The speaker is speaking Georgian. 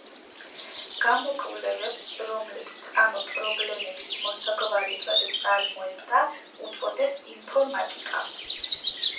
გამოკვლევებს, რომლებიც ამ პრობლემების მოსაგვარებლად წარმოებდა, უწოდეს ინფორმატიკა.